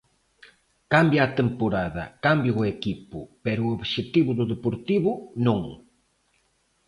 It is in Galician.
Cambia a temporada, cambia o equipo, pero o obxectivo do Deportivo non.